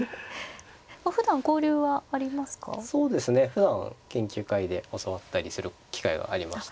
ふだん研究会で教わったりする機会がありまして。